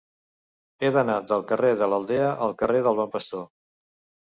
He d'anar del carrer de l'Aldea al carrer del Bon Pastor.